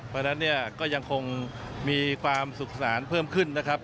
เพราะฉะนั้นเนี่ยก็ยังคงมีความสุขสนานเพิ่มขึ้นนะครับ